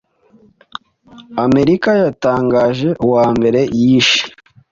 Amerika yatangaje uwa mbere yishe,